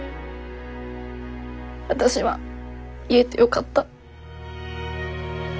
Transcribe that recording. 私は言えてよかった。